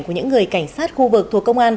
của những người cảnh sát khu vực thuộc công an